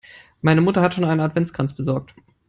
Meine Mutter hat schon einen Adventskranz besorgt.